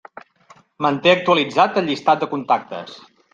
Manté actualitzat el llistat de contactes.